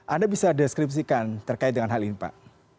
anda bisa deskripsikan terkait dengan hal ini pak